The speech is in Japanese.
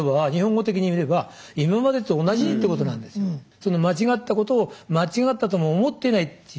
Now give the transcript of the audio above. その間違ったことを間違ったとも思ってないっていう。